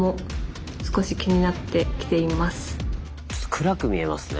暗く見えますね。